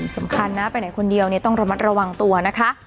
สำคัญนะไปไหนคนเดียวต้องระมัดระวังตัวนะคะ